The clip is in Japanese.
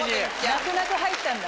泣く泣く入ったんだ。